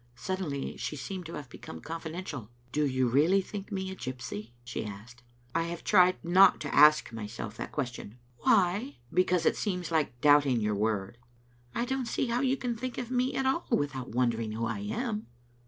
Suddenly she seemed to have become confidential. " Do you really think me a gypsy?" she asked. " I have tried not to ask myself that question. " "Why?" " Because it seems like doubting your word. "" I don't see how you can think of me at all without wondering who I am."